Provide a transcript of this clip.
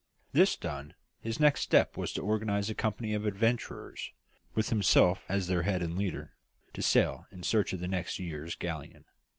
This done, his next step was to organise a company of adventurers, with himself as their head and leader, to sail in search of the next year's galleon.